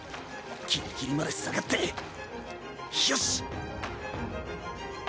ギリギリまで下がってよし！